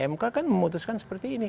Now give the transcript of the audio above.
mk kan memutuskan seperti ini